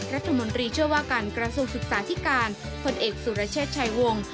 รัฐมนตรีเชื่อว่าการกระทรวงศึกษาที่การคนเอกสุรเชษชัยวงศ์